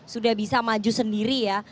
sudah bisa maju sendiri ya